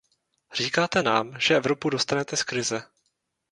Říkáte nám, že Evropu dostanete z krize.